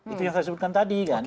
itu yang saya sebutkan tadi kan